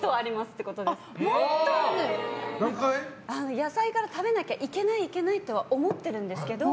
野菜から食べなきゃいけないとは思ってるんですけど